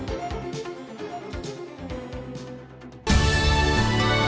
hẹn gặp lại